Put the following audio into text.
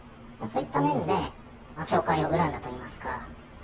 そういった面で教会を恨んだといいますか。